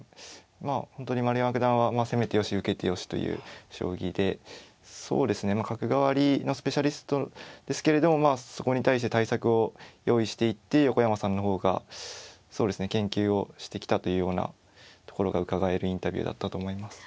まあ本当に丸山九段は攻めてよし受けてよしという将棋でそうですねまあ角換わりのスペシャリストですけれどもまあそこに対して対策を用意していって横山さんの方がそうですね研究をしてきたというようなところがうかがえるインタビューだったと思います。